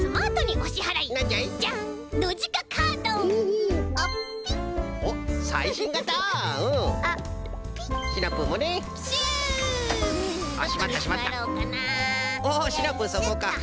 おおシナプーそこか。